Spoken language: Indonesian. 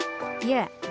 karya seni seperti ini